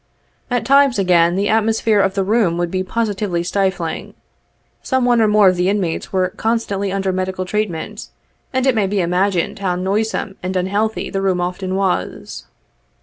At times again, the atmosphere of the room would be positively stifling. Some one or more of the inmates were constantly under medical treatment, and it may be imagined how noisome and unhealthy the room often was.